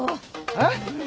えっ？